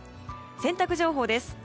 洗濯情報です。